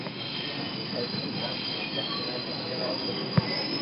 اوري وجہ مون اپارا بچو اي دھاپين روٽي